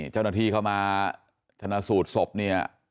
เจ้าหน้าที่เข้ามาชนะสูตรศพเนี่ย